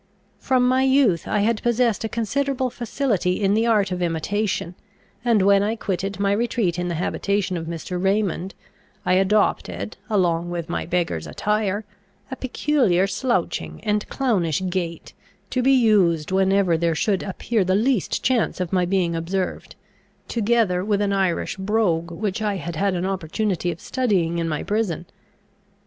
From my youth I had possessed a considerable facility in the art of imitation; and when I quitted my retreat in the habitation of Mr. Raymond, I adopted, along with my beggar's attire, a peculiar slouching and clownish gait, to be used whenever there should appear the least chance of my being observed, together with an Irish brogue which I had had an opportunity of studying in my prison.